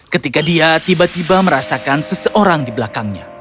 ketika dia tiba tiba merasakan seseorang di belakangnya